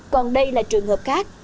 còn đây là trường hợp khác